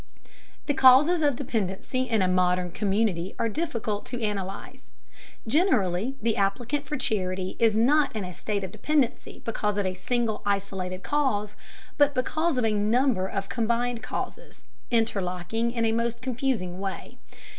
The causes of dependency in a modern community are difficult to analyze. Generally the applicant for charity is not in a state of dependency because of a single isolated cause, but because of a number of combined causes, interlocking in a most confusing way.